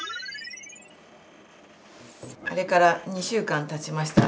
あれから２週間たちました。